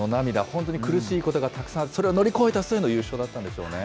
本当に苦しいことがたくさんある、それを乗り越えた末の優勝だったんでしょうね。